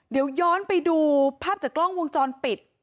เดี๋ยวย้อนไปดูภาพจากกล้องวงจรปิด